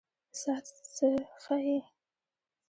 ساعت څه ښيي؟